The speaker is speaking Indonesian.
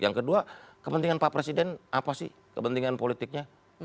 yang kedua kepentingan pak presiden apa sih kepentingan politiknya